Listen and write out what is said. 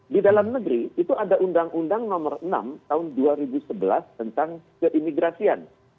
di dalam negeri itu ada undang undang nomor enam tahun dua ribu sebelas tentang keimigrasian